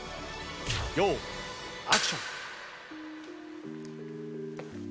用意アクション。